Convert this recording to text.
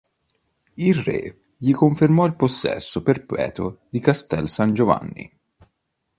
Il re gli confermò il possesso perpetuo di Castel San Giovanni.